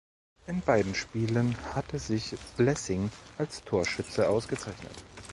In beiden Spielen hatte sich Blessing als Torschütze ausgezeichnet.